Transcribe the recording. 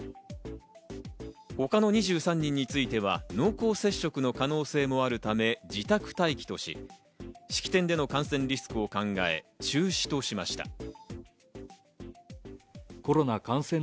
他の２３人については濃厚接触の可能性もあるため自宅待機とし、式典での感染リスクを考え中止としました。